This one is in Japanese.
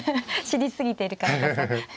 知り過ぎているからこそ。